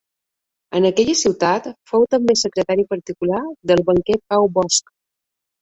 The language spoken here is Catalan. En aquella ciutat fou també secretari particular del banquer Pau Bosch.